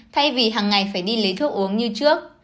thay vì hàng ngày phải đi lấy thuốc uống như trước